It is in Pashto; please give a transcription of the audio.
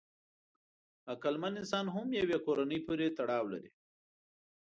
عقلمن انسان هم یوې کورنۍ پورې تړاو لري.